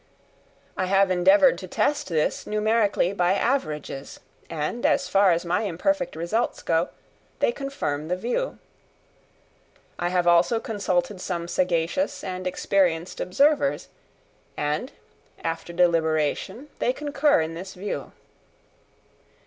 I have endeavoured to test this numerically by averages, and, as far as my imperfect results go, they confirm the view. I have also consulted some sagacious and experienced observers, and, after deliberation, they concur in this view.